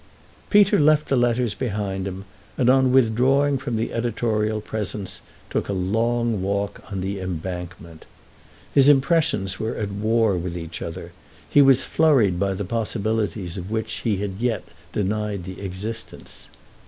Peter left the letters behind him and, on withdrawing from the editorial presence, took a long walk on the Embankment. His impressions were at war with each other—he was flurried by possibilities of which he yet denied the existence.